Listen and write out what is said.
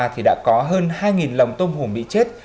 thì đã có hơn hai lồng tôm hùm bị chết